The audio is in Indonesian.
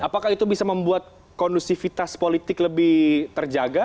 apakah itu bisa membuat kondusivitas politik lebih terjaga